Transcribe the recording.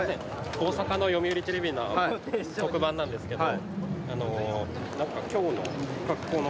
大阪の読売テレビの特番なんですけど。